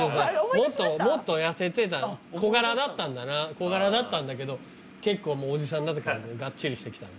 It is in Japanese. もっと痩せてた小柄だったんだな小柄だったんだけど結構おじさんになったからねガッチリしてきたね